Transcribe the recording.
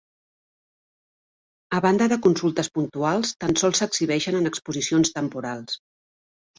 A banda de consultes puntuals, tan sols s'exhibeixen en exposicions temporals.